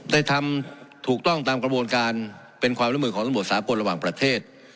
ได้ทำถูกต้องตามกระบวนการเป็นความร่วมมือของตำรวจสากลระหว่างประเทศ